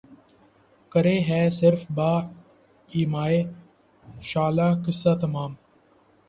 کرے ہے صِرف بہ ایمائے شعلہ قصہ تمام